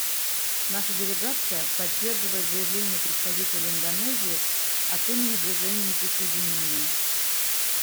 Наша делегация поддерживает заявление представителя Индонезии от имени Движения неприсоединения.